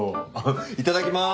いただきます。